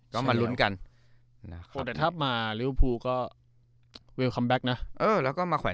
ก็มาลุ้นกันนะครับแต่ถ้ามาริวภูก็นะเออแล้วก็มาขวัญ